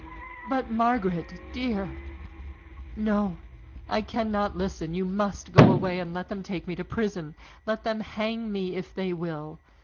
"But Margaret, dear " "No, I cannot listen! You must go away, and let them take me to prison, let them hang me if they will!"